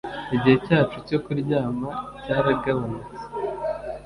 Igihe cyacu cyo kuryama cyaragabanutse